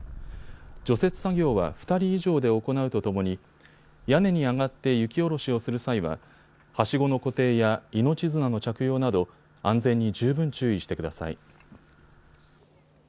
除雪作業は２人以上で行うとともに屋根に上がって雪下ろしをする際ははしごの固定や命綱の着用など安全に十分注意してください。